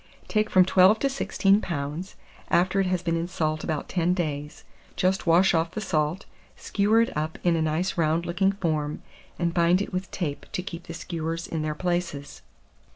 Take from 12 to 16 lbs., after it has been in salt about 10 days; just wash off the salt, skewer it up in a nice round looking form, and bind it with tape to keep the skewers in their places.